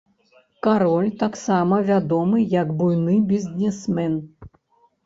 Кароль таксама вядомы як буйны бізнесмен.